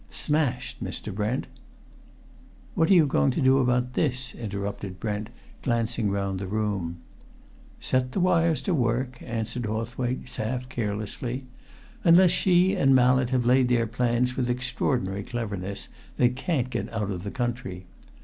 Smashed, Mr. Brent " "What are you going to do about this?" interrupted Brent, glancing round the room. "Set the wires to work," answered Hawthwaite half carelessly. "Unless she and Mallett have laid their plans with extraordinary cleverness, they can't get out of the country.